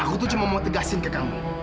aku tuh cuma mau tegasin ke kamu